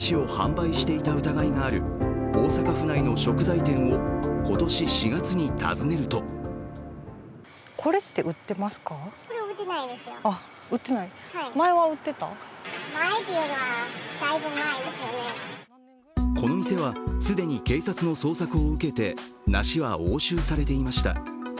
ＪＮＮのカメラが中国産の梨を販売していた疑いがある大阪府内の食材店を今年４月に訪ねるとこの店は既に警察の捜索を受けて梨は押収されていました。